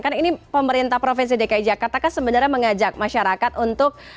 kan ini pemerintah provinsi dki jakarta kan sebenarnya mengajak masyarakat untuk